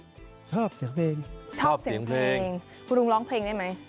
ชอบเสียงเพลงชอบเสียงเพลงคุณลุงร้องเพลงได้ไหม